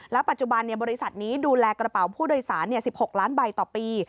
ปัจจุบันบริษัทนี้ดูแลกระเป๋าผู้โดยสาร๑๖ล้านใบต่อปี